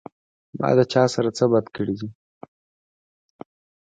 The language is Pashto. ما د چا سره څۀ بد کړي دي